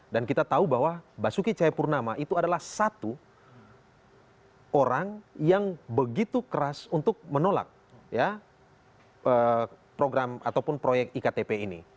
dan kita tahu bahwa basuki cahayapurnama itu adalah satu orang yang begitu keras untuk menolak program ataupun proyek iktp ini